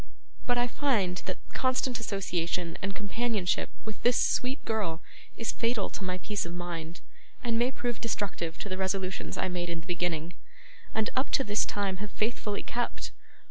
But I find that constant association and companionship with this sweet girl is fatal to my peace of mind, and may prove destructive to the resolutions I made in the beginning, and up to this time have faithfully kept.